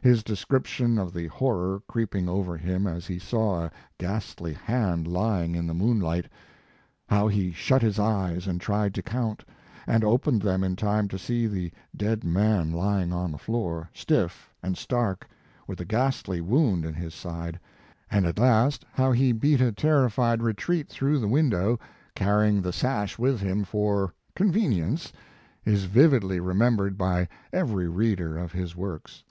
His description of the horror creeping over him as he saw a ghastly hand lying in the moonlight; how he shut his eyes and tried to count, and opened them in time to see the dead man lying on the floor, stiff and stark, with a ghastly wound in his side, and at last, how he beat a terrified retreat through the window, carrying the sash with him for convenience" is vividly remembered by every reader of his works.